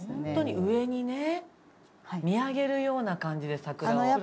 ホントに上にね見上げるような感じで桜を。